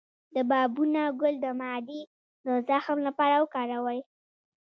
د بابونه ګل د معدې د زخم لپاره وکاروئ